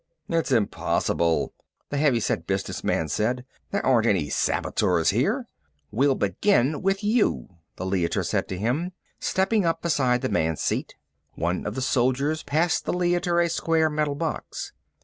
"It's impossible," the heavy set business man said. "There aren't any saboteurs here." "We'll begin with you," the Leiter said to him, stepping up beside the man's seat. One of the soldiers passed the Leiter a square metal box.